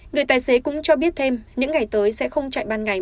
người tài xế cũng cho biết thêm những ngày tới sẽ không chạy ban ngày